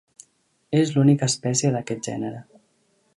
És l'única espècie d'aquest gènere.